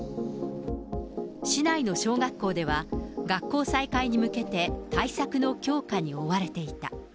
市内の小学校では、学校再開に向けて、対策の強化に追われていた。